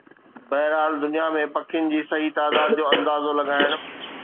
بهرحال، دنيا ۾ پکين جي صحيح تعداد جو اندازو لڳائڻ